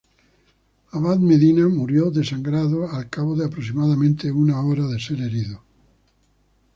Abal Medina murió desangrado al cabo de aproximadamente una hora de ser herido.